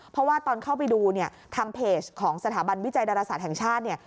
เพราะว่าตอนเข้าไปดูเนี่ยทางเพจของสถาบันวิจัยดาราศาสตร์แห่งชาติเนี่ย